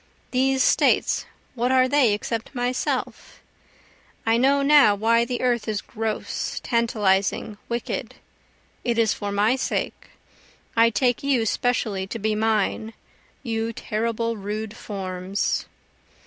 These States, what are they except myself? I know now why the earth is gross, tantalizing, wicked, it is for my sake, I take you specially to be mine, you terrible, rude forms.